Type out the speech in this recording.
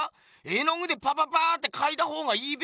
絵の具でパパパってかいた方がいいべよ？